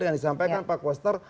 yang disampaikan pak wester